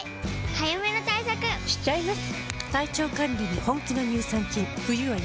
早めの対策しちゃいます。